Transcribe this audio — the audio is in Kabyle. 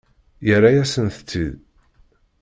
Yerra-yasent-t-id.